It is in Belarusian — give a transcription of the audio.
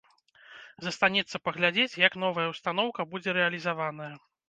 Застанецца паглядзець, як новая ўстаноўка будзе рэалізаваная.